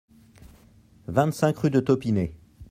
vingt-cinq rue de Taupinet